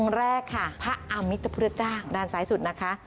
แรกค่ะพระอามิตพุทธเจ้าด้านซ้ายสุดนะคะ